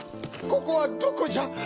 ここはどこじゃ？